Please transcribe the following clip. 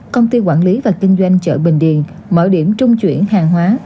công ty quản lý và kinh doanh chợ bình điền mở điểm trung chuyển hàng hóa